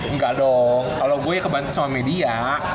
engga dong kalo gua ya kebantu sama media